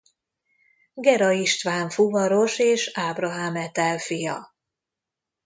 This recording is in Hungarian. Gera István fuvaros és Ábrahám Etel fia.